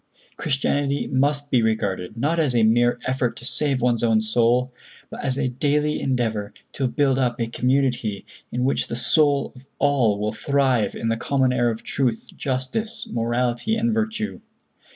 Christianity must be regarded, not as a mere effort to save one's own soul, but as a daily endeavor to build up a community in which the souls of all will thrive in the common air of truth, justice, morality and virtue.